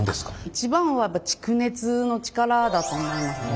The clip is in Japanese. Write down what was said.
一番は蓄熱の力だと思います。